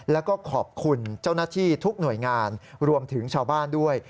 แล้วก็ขอบคุณเจ้าหน้าที่ทุกหน่วยงานรวมถึงชาวบ้านด้วย